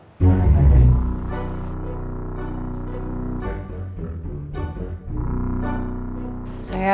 ya ada masalah